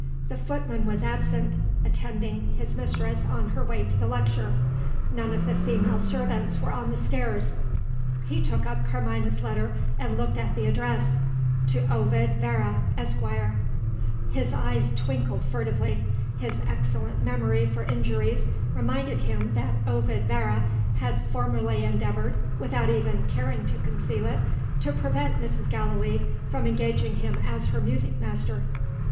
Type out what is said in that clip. The footman was absent, attending his mistress on her way to the lecture. None of the female servants were on the stairs. He took up Carmina's letter, and looked at the address: To Ovid Vere, Esq. His eyes twinkled furtively; his excellent memory for injuries reminded him that Ovid Vere had formerly endeavoured (without even caring to conceal it) to prevent Mrs. Gallilee from engaging him as her music master.